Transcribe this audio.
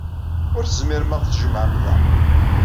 Ur tezmirem ad aɣ-tjemɛem da.